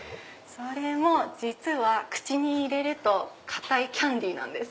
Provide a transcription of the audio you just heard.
それも実は口に入れると硬いキャンディーなんです。